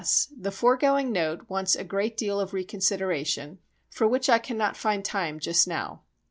—The foregoing note wants a great deal of reconsideration for which I cannot find time just now.